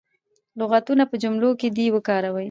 لغتونه په جملو کې دې وکاروي.